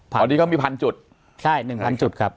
พอดีก็มี๑๐๐๐จุดใช่๑๐๐๐จุดครับ